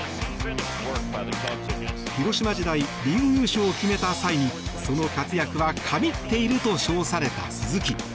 広島時代リーグ優勝を決めた際にその活躍は神ってると称された鈴木。